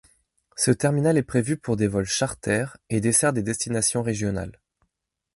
Ce terminal est prévu pour des vols charter et dessert des destinations régionales.